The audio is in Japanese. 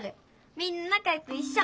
みんななかよくいっしょ！